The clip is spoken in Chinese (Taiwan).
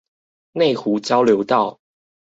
內湖交流道